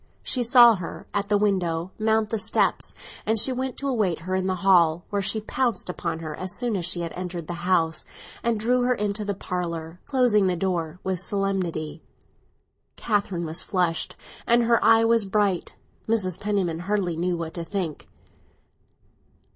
She saw her—at the window—mount the steps, and she went to await her in the hall, where she pounced upon her as soon as she had entered the house, and drew her into the parlour, closing the door with solemnity. Catherine was flushed, and her eye was bright. Mrs. Penniman hardly knew what to think.